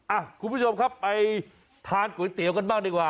อ่ะคุณผู้ชมครับไปทานก๋วยเตี๋ยวกันบ้างดีกว่า